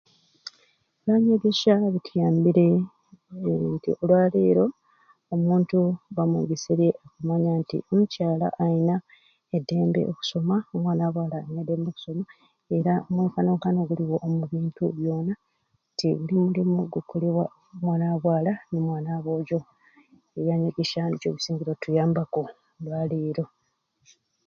Ebyanyegesya bituyambire nti olwaleero omuntu bamwegeserye okumanya nti omukyala alina eddembe okusoma omwana wa bwala alina eddembe okusoma era omwenkanonkano guliwo omubintu byoona nti buli mulimu gukolebwa omwana wa bwala no mwana wa bwojo ebyanyegesya nikyo bisingire okutuyambaku olwaleero.